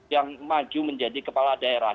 yang maju menjadi kepala daerah